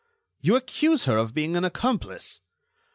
"You accuse her of being an accomplice?"